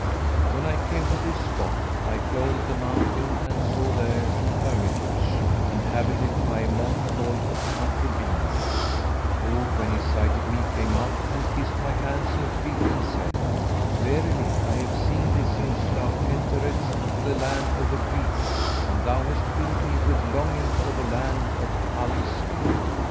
When I came to this spot,[FN#427] I clomb the mountain and saw there an hermitage, inhabited by a monk called Matrubina, who, when he sighted me, came out and kissed my hands and feet and said, 'Verily, I have seen thee since thou enteredst the land of the Greeks, and thou hast filled me with longing for the land of Al Islam.'